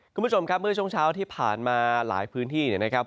คุณผู้ชมครับเมื่อช่วงเช้าที่ผ่านมาหลายพื้นที่เนี่ยนะครับ